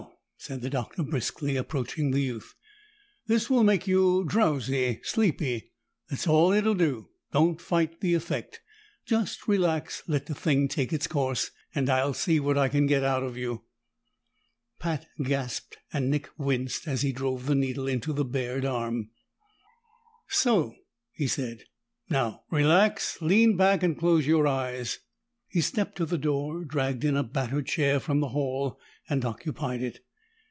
said the Doctor briskly, approaching the youth. "This will make you drowsy, sleepy. That's all it'll do. Don't fight the effect. Just relax, let the thing take its course, and I'll see what I can get out of you." Pat gasped and Nick winced as he drove the needle into the bared arm. "So!" he said. "Now relax. Lean back and close your eyes." He stepped to the door, dragged in a battered chair from the hall, and occupied it.